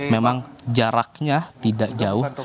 memang jaraknya tidak jauh